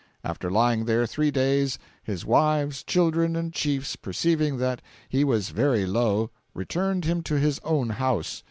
After lying there three days, his wives, children and chiefs, perceiving that he was very low, returned him to his own house.